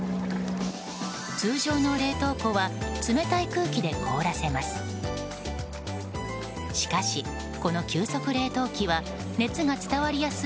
通常の冷凍庫は冷たい空気で凍らせます。